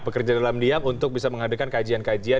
bekerja dalam diam untuk bisa menghadirkan kajian kajian